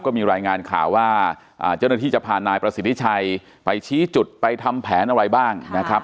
ก็มีรายงานข่าวว่าเจ้าหน้าที่จะพานายประสิทธิชัยไปชี้จุดไปทำแผนอะไรบ้างนะครับ